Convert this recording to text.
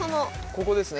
ここですね？